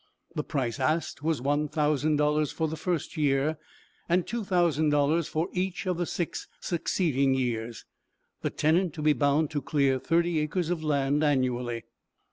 The price asked, was one thousand dollars for the first year, and two thousand dollars for each of the six succeeding years; the tenant to be bound to clear thirty acres of land annually.